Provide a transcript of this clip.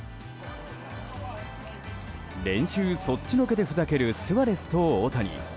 練習そっちのけでふざけるスアレスと大谷。